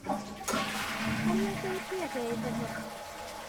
Pam nad ei di ag e iddyn nhw?